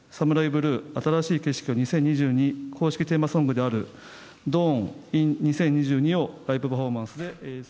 ブルー新しい景色を２０２２公式テーマソングである曲をライブパフォーマンスで。